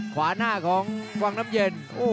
ขวาหน้าของวังน้ำเย็น